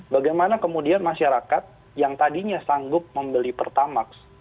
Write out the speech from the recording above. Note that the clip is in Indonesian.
bagaimana kemudian masyarakat yang tadinya sanggup membeli pertamax